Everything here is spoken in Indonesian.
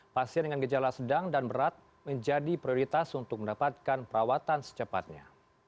pasien dengan gejala sedang dan berat menjadi prioritas untuk mendapatkan perawatan secepatnya